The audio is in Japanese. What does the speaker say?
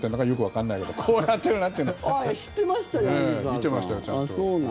見てましたよ、ちゃんと。